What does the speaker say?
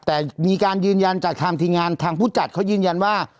แต่มีการยืนยันจากทางทีมงานทางผู้จัดเขายืนยันว่า